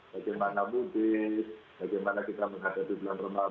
bagaimana mudik bagaimana kita menghadapi bulan ramadan